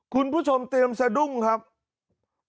มีพฤติกรรมเสพเมถุนกัน